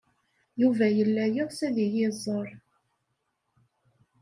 Yuba yella yeɣs ad iyi-iẓer.